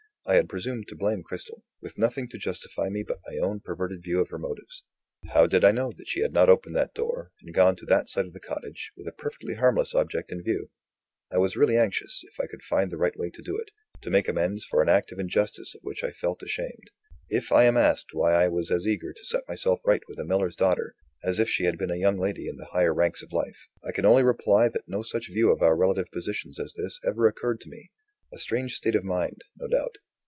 I had presumed to blame Cristel, with nothing to justify me but my own perverted view of her motives. How did I know that she had not opened that door, and gone to that side of the cottage, with a perfectly harmless object in view? I was really anxious, if I could find the right way to do it, to make amends for an act of injustice of which I felt ashamed. If I am asked why I was as eager to set myself right with a miller's daughter, as if she had been a young lady in the higher ranks of life, I can only reply that no such view of our relative positions as this ever occurred to me. A strange state of mind, no doubt.